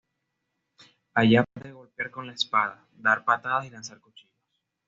Aya puede golpear con la espada, dar patadas y lanzar cuchillos.